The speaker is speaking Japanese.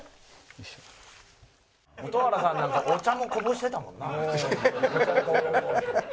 蛍原さんなんかお茶もこぼしてたもんな。